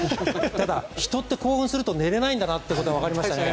ただ、人って興奮すると寝れないんだなということが分かりましたね。